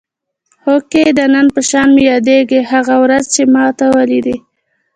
هوکې د نن په شان مې یادېږي هغه ورځ چې ما ته ولیدلې.